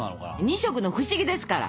「２色のフシギ」ですから。